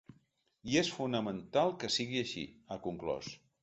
I és fonamental que sigui així, ha conclòs.